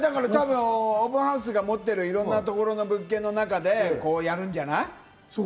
オープンハウスが持っている、いろんな物件の中でやるんじゃない？